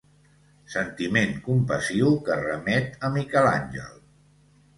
Sentiment compassiu que remet a Miquel Àngel.